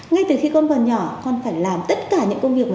ngay từ khi con còn nhỏ